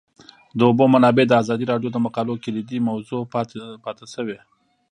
د اوبو منابع د ازادي راډیو د مقالو کلیدي موضوع پاتې شوی.